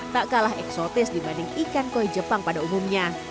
tak kalah eksotis dibanding ikan koi jepang pada umumnya